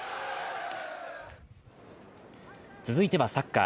続いてはサッカー。